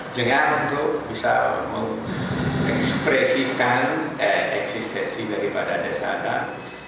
jengah untuk bisa mengekspresikan eksistensi daripada desa adat